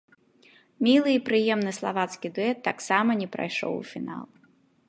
Мілы і прыемны славацкі дуэт таксама не прайшоў у фінал.